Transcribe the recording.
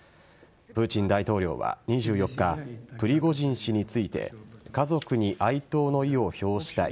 プーチン大統領は、２４日プリゴジン氏について家族に哀悼の意を表したい。